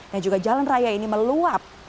dan juga jalan raya ini meluap